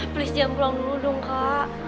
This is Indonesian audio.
please jam pulang dulu dong kak